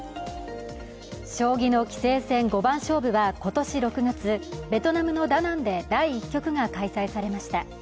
将棋の棋聖戦五番勝負は今年６月、ベトナムのダナンで第１局が開催されました。